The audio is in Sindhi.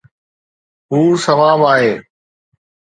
هو سواب آهي